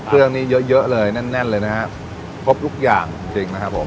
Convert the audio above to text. เครื่องนี้เยอะเยอะเลยแน่นแน่นเลยนะฮะครบทุกอย่างจริงจริงนะครับผม